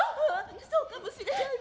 そうかもしれないわ。